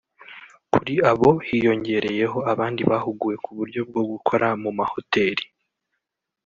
Kuri abo hiyongereyeho abandi bahuguwe ku buryo bwo gukora mu mahoteri